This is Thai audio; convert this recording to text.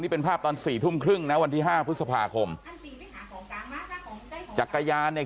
เป็นภาพตอนสี่ทุ่มครึ่งนะวันที่ห้าพฤษภาคมจักรยานเนี่ย